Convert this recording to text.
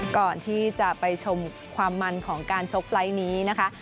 ก่อนที่จะไปชมความมันของการชกไฟล์นี้นะคะ